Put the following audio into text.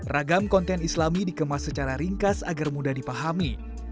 ragam konten islami dikemas secara ringkas agar mudah dipahami